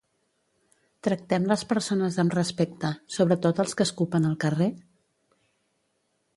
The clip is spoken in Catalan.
Tractem les persones amb respecte, sobretot els que escupen al carrer?